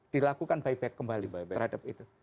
dilakukan buyback kembali terhadap itu